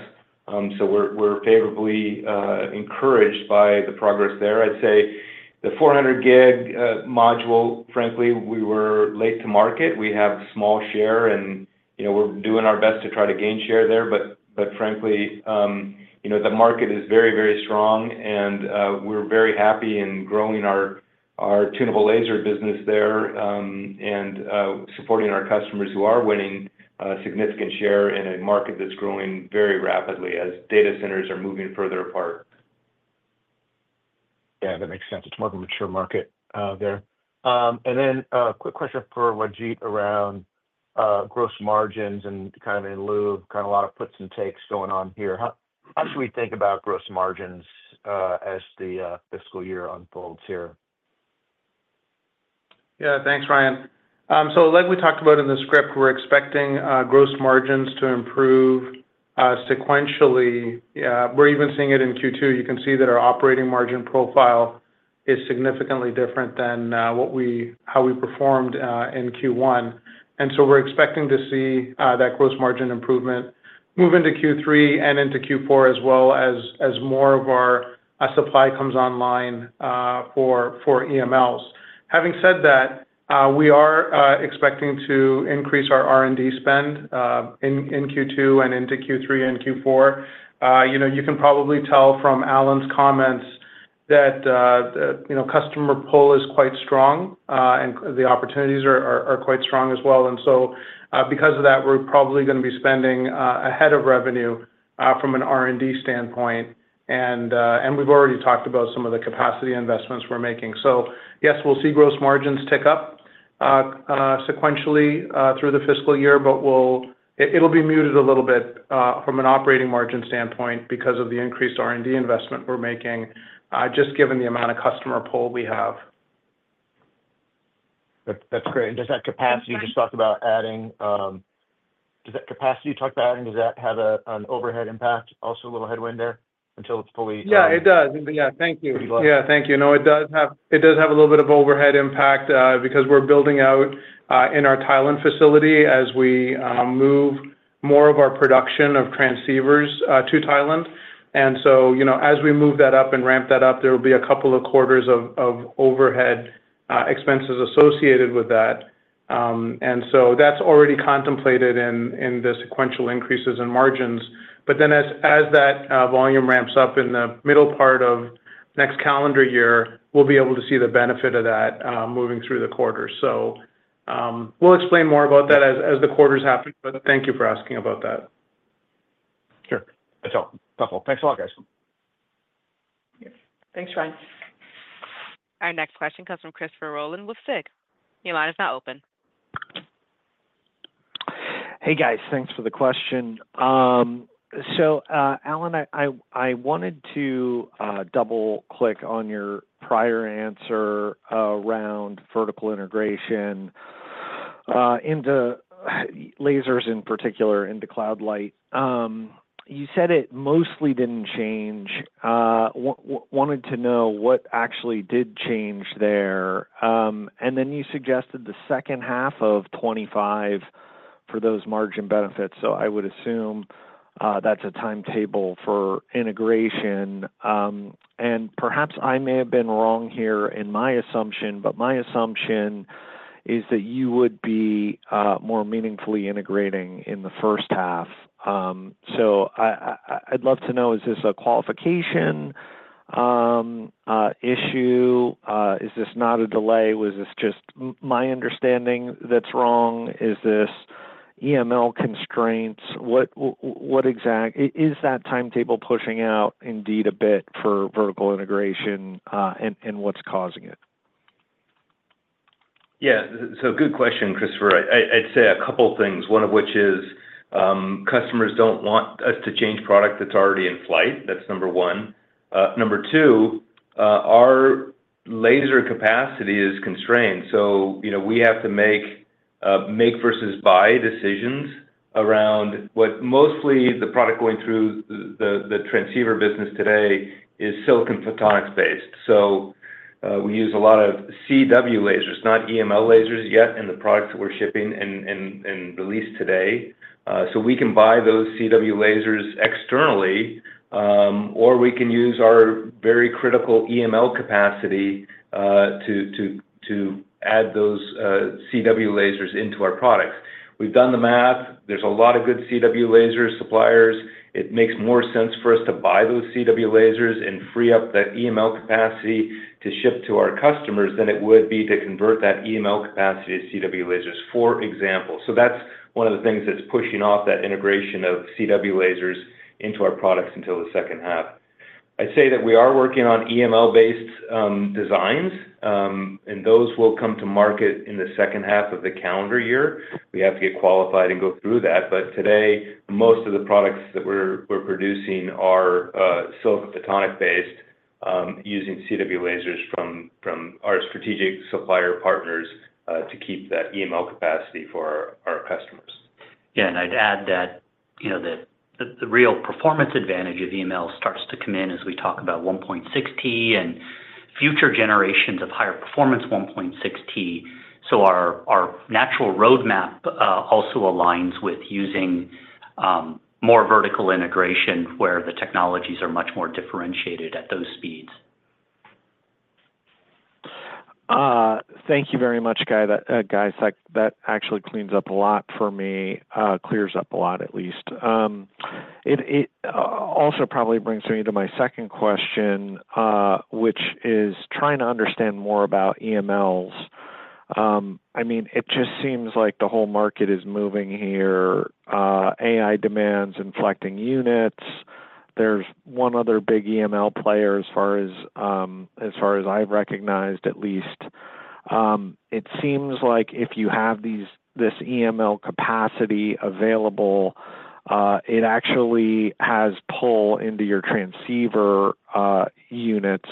So we're favorably encouraged by the progress there. I'd say the 400 gig module, frankly, we were late to market. We have small share, and we're doing our best to try to gain share there. But frankly, the market is very, very strong, and we're very happy in growing our tunable laser business there and supporting our customers who are winning a significant share in a market that's growing very rapidly as data centers are moving further apart. Yeah. That makes sense. It's more of a mature market there. And then a quick question for Wajid around gross margins and kind of in lieu of kind of a lot of puts and takes going on here. How should we think about gross margins as the fiscal year unfolds here? Yeah. Thanks, Ryan. So like we talked about in the script, we're expecting gross margins to improve sequentially. We're even seeing it in Q2. You can see that our operating margin profile is significantly different than how we performed in Q1. And so we're expecting to see that gross margin improvement move into Q3 and into Q4 as well as more of our supply comes online for EMLs. Having said that, we are expecting to increase our R&D spend in Q2 and into Q3 and Q4. You can probably tell from Alan's comments that customer pull is quite strong, and the opportunities are quite strong as well. So because of that, we're probably going to be spending ahead of revenue from an R&D standpoint. And we've already talked about some of the capacity investments we're making. So yes, we'll see gross margins tick up sequentially through the fiscal year, but it'll be muted a little bit from an operating margin standpoint because of the increased R&D investment we're making just given the amount of customer pull we have. That's great. And does that capacity you just talked about adding have an overhead impact? Also a little headwind there until it's fully utilized. Yeah, it does. Yeah. Thank you. Yeah. Thank you. No, it does have a little bit of overhead impact because we're building out in our Thailand facility as we move more of our production of transceivers to Thailand. And so as we move that up and ramp that up, there will be a couple of quarters of overhead expenses associated with that. And so that's already contemplated in the sequential increases in margins. But then as that volume ramps up in the middle part of next calendar year, we'll be able to see the benefit of that moving through the quarters. So we'll explain more about that as the quarters happen, but thank you for asking about that. Sure. That's helpful. Thanks a lot, guys. Thanks, Ryan. Our next question comes from Christopher Rolland with SIG. Your line is now open. Hey, guys. Thanks for the question. So Alan, I wanted to double-click on your prior answer around vertical integration into lasers in particular into Cloud Light. You said it mostly didn't change. Wanted to know what actually did change there. And then you suggested the second half of 2025 for those margin benefits. So I would assume that's a timetable for integration. And perhaps I may have been wrong here in my assumption, but my assumption is that you would be more meaningfully integrating in the first half. So I'd love to know, is this a qualification issue? Is this not a delay? Was this just my understanding that's wrong? Is this EML constraints? Is that timetable pushing out indeed a bit for vertical integration, and what's causing it? Yeah. So good question, Christopher. I'd say a couple of things, one of which is customers don't want us to change product that's already in flight. That's number one. Number two, our laser capacity is constrained. So we have to make-versus-buy decisions around what mostly the product going through the transceiver business today is silicon photonics-based. So we use a lot of CW lasers, not EML lasers yet in the products that we're shipping and releasing today. So we can buy those CW lasers externally, or we can use our very critical EML capacity to add those CW lasers into our products. We've done the math. There's a lot of good CW laser suppliers. It makes more sense for us to buy those CW lasers and free up that EML capacity to ship to our customers than it would be to convert that EML capacity to CW lasers, for example. So that's one of the things that's pushing off that integration of CW lasers into our products until the second half. I'd say that we are working on EML-based designs, and those will come to market in the second half of the calendar year. We have to get qualified and go through that, but today, most of the products that we're producing are silicon photonics-based using CW lasers from our strategic supplier partners to keep that EML capacity for our customers. Yeah, and I'd add that the real performance advantage of EML starts to come in as we talk about 1.6T and future generations of higher performance 1.6T, so our natural roadmap also aligns with using more vertical integration where the technologies are much more differentiated at those speeds. Thank you very much guys, I, That actually cleans up a lot for me, clears up a lot at least. It also probably brings me to my second question, which is trying to understand more about EMLs. I mean, it just seems like the whole market is moving here. AI demands inflecting units. There's one other big EML player as far as I've recognized at least. It seems like if you have this EML capacity available, it actually has pull into your transceiver units,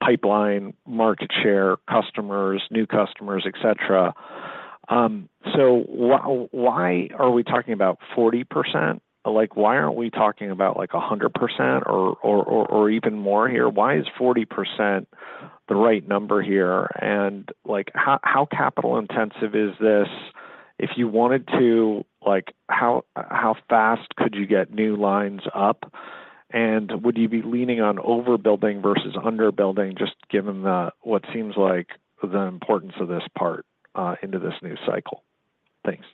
pipeline, market share, customers, new customers, etc. So why are we talking about 40%? Why aren't we talking about 100% or even more here? Why is 40% the right number here? And how capital-intensive is this? If you wanted to, how fast could you get new lines up? And would you be leaning on overbuilding versus underbuilding, just given what seems like the importance of this part into this new cycle? Thanks.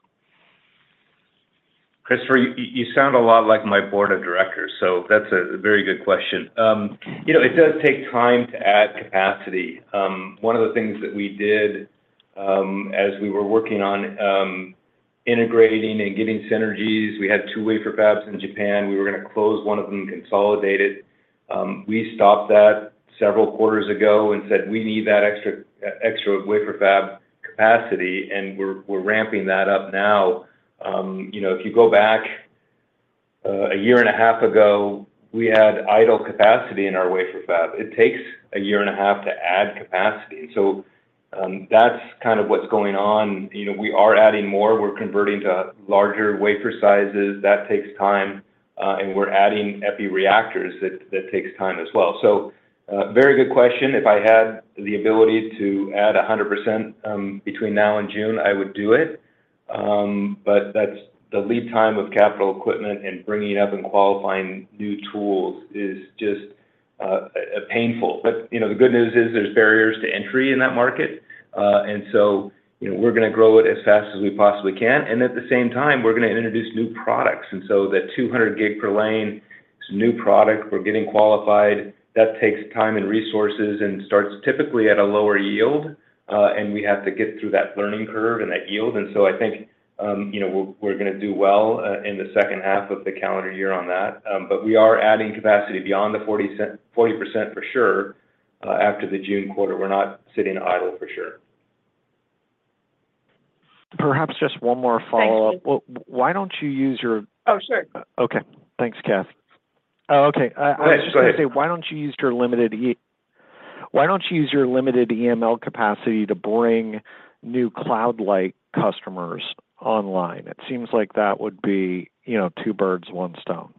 Christopher, you sound a lot like my board of directors. So that's a very good question. It does take time to add capacity. One of the things that we did as we were working on integrating and getting synergies, we had two wafer fabs in Japan. We were going to close one of them and consolidate it. We stopped that several quarters ago and said, "We need that extra wafer fab capacity," and we're ramping that up now. If you go back a year and a half ago, we had idle capacity in our wafer fab. It takes a year and a half to add capacity, and so that's kind of what's going on. We are adding more. We're converting to larger wafer sizes. That takes time, and we're adding epi reactors. That takes time as well, so very good question. If I had the ability to add 100% between now and June, I would do it. But the lead time of capital equipment and bringing up and qualifying new tools is just painful. But the good news is there's barriers to entry in that market. And so we're going to grow it as fast as we possibly can. And at the same time, we're going to introduce new products. And so the 200 gig per lane is a new product. We're getting qualified. That takes time and resources and starts typically at a lower yield. And we have to get through that learning curve and that yield. And so I think we're going to do well in the second half of the calendar year on that. But we are adding capacity beyond the 40% for sure after the June quarter. We're not sitting idle for sure. Perhaps just one more follow-up. Why don't you use your? Oh, sure. Okay. Thanks, Kathy. Oh, okay. I was just going to say, why don't you use your limited EML capacity to bring new Cloud Light customers online? It seems like that would be two birds, one stone.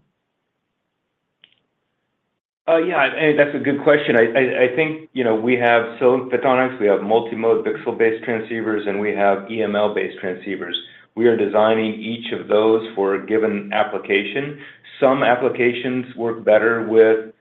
Yeah. That's a good question. I think we have silicon photonics. We have multi-mode VCSEL-based transceivers, and we have EML-based transceivers. We are designing each of those for a given application. Some applications work better with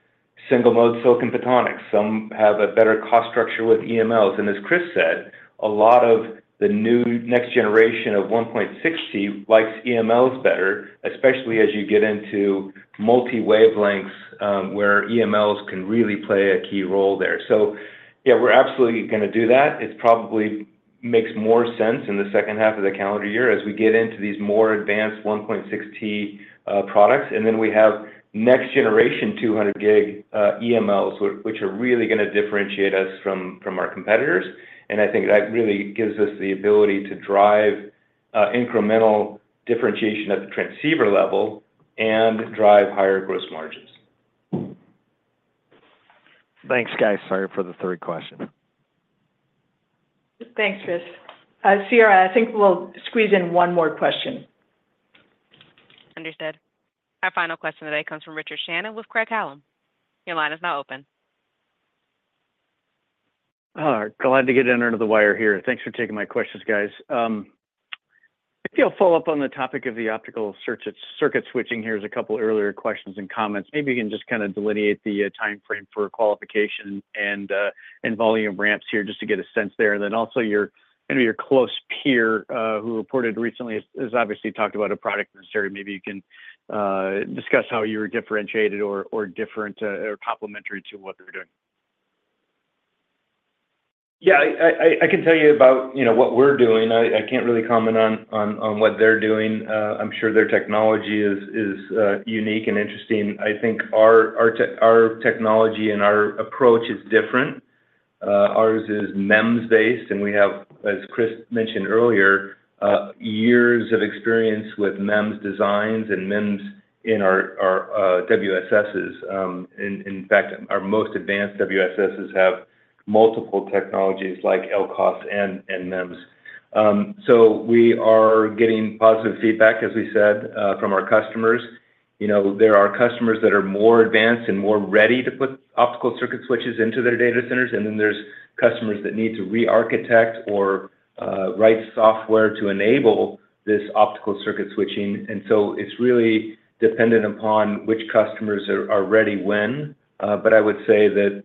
single-mode silicon photonics. Some have a better cost structure with EMLs. And as Chris said, a lot of the new next generation of 1.6T likes EMLs better, especially as you get into multi-wavelengths where EMLs can really play a key role there. So yeah, we're absolutely going to do that. It probably makes more sense in the second half of the calendar year as we get into these more advanced 1.6T products. And then we have next-generation 200 gig EMLs, which are really going to differentiate us from our competitors. And I think that really gives us the ability to drive incremental differentiation at the transceiver level and drive higher gross margins. Thanks, guys. Sorry for the third question. Thanks, Chris. Sierra, I think we'll squeeze in one more question. Understood. Our final question today comes from Richard Shannon with Craig-Hallum. Your line is now open. Glad to get in under the wire here. Thanks for taking my questions, guys. Maybe I'll follow up on the topic of the optical circuit switching. Here's a couple of earlier questions and comments. Maybe you can just kind of delineate the timeframe for qualification and volume ramps here just to get a sense there. And then also your close peer who reported recently has obviously talked about a product necessary. Maybe you can discuss how you were differentiated or different or complementary to what they're doing? Yeah. I can tell you about what we're doing. I can't really comment on what they're doing. I'm sure their technology is unique and interesting. I think our technology and our approach is different. Ours is MEMS-based. And we have, as Chris mentioned earlier, years of experience with MEMS designs and MEMS in our WSSs. In fact, our most advanced WSSs have multiple technologies like LCOS and MEMS. So we are getting positive feedback, as we said, from our customers. There are customers that are more advanced and more ready to put optical circuit switches into their data centers. And then there's customers that need to re-architect or write software to enable this optical circuit switching. And so it's really dependent upon which customers are ready when. But I would say that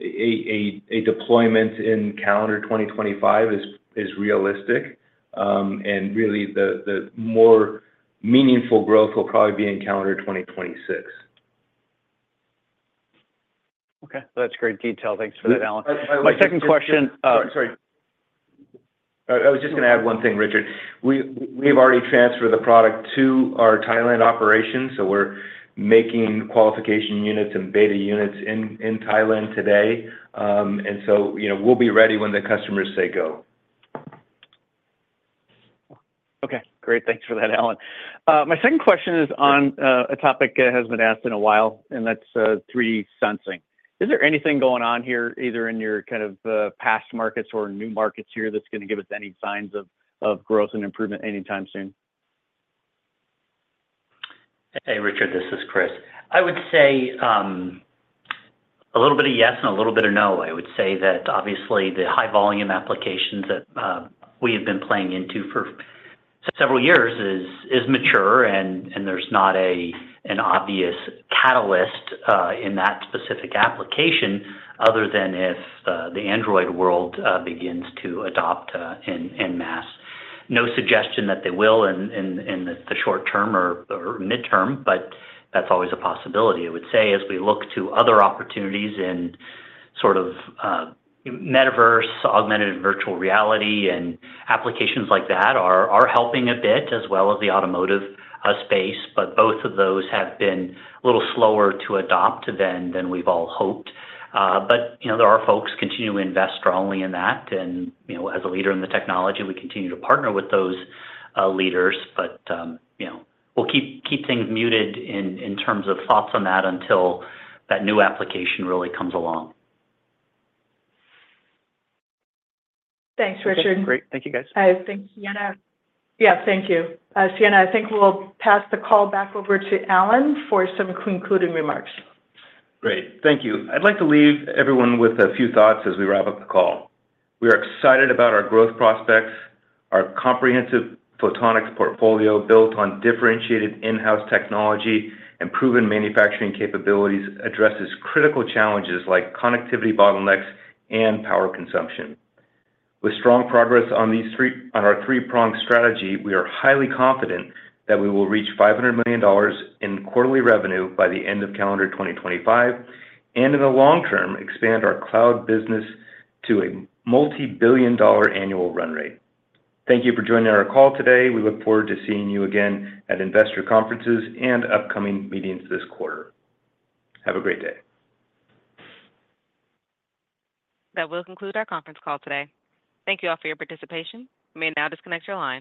a deployment in calendar 2025 is realistic. And really, the more meaningful growth will probably be in calendar 2026. Okay. That's great detail. Thanks for that, Alan. My second question. Sorry. I was just going to add one thing, Richard. We've already transferred the product to our Thailand operation. So we're making qualification units and beta units in Thailand today. And so we'll be ready when the customers say go. Okay. Great. Thanks for that, Alan. My second question is on a topic that has been asked in a while, and that's 3D sensing. Is there anything going on here, either in your kind of past markets or new markets here, that's going to give us any signs of growth and improvement anytime soon? Hey, Richard. This is Chris. I would say a little bit of yes and a little bit of no. I would say that obviously the high-volume applications that we have been playing into for several years is mature, and there's not an obvious catalyst in that specific application other than if the Android world begins to adopt en masse. No suggestion that they will in the short term or midterm, but that's always a possibility. I would say as we look to other opportunities in sort of metaverse, augmented virtual reality, and applications like that are helping a bit, as well as the automotive space. But both of those have been a little slower to adopt than we've all hoped. But there are folks continuing to invest strongly in that. And as a leader in the technology, we continue to partner with those leaders. But we'll keep things muted in terms of thoughts on that until that new application really comes along. Thanks, Richard. Great. Thank you, guys. Thanks, Sierra. Yeah. Thank you. Sierra, I think we'll pass the call back over to Alan for some concluding remarks. Great. Thank you. I'd like to leave everyone with a few thoughts as we wrap up the call. We are excited about our growth prospects. Our comprehensive photonics portfolio built on differentiated in-house technology and proven manufacturing capabilities addresses critical challenges like connectivity bottlenecks and power consumption. With strong progress on our three-prong strategy, we are highly confident that we will reach $500 million in quarterly revenue by the end of calendar 2025, and in the long term, expand our cloud business to a multi-billion dollar annual run rate. Thank you for joining our call today. We look forward to seeing you again at investor conferences and upcoming meetings this quarter. Have a great day. That will conclude our conference call today. Thank you all for your participation. We may now disconnect your line.